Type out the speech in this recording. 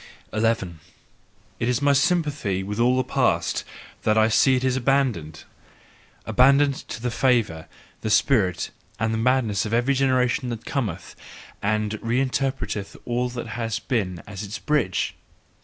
11. It is my sympathy with all the past that I see it is abandoned, Abandoned to the favour, the spirit and the madness of every generation that cometh, and reinterpreteth all that hath been as its bridge!